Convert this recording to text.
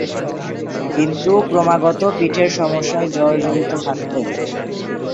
কিন্তু, ক্রমাগত পিঠের সমস্যায় জর্জরিত থাকতেন।